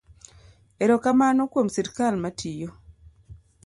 Erokamano kuom sirikal matiyo.